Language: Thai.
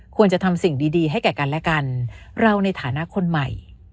ควรจะทำสิ่งดีให้แก่กันและกันเราในฐานะคนใหม่